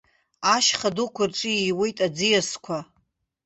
Ашьха дуқәа рҿы ииуеит аӡиасқәа.